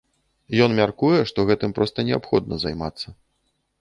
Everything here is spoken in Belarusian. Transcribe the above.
Ён мяркуе, што гэтым проста неабходна займацца.